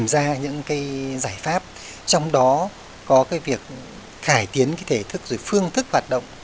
giải pháp trong đó có việc khải tiến thể thức phương thức hoạt động